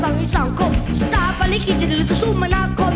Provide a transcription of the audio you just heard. สร้างให้สังคมชะตาภารกิจจะหลุดสู้มนาคม